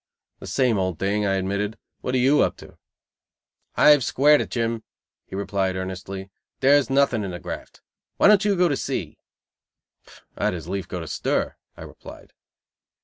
"The same old thing," I admitted. "What are you up to?" "I have squared it, Jim," he replied earnestly. "There's nothing in the graft. Why don't you go to sea?" "I'd as lief go to stir," I replied.